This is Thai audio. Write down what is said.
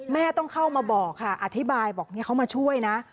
ต้องเข้ามาบอกค่ะอธิบายบอกเขามาช่วยนะ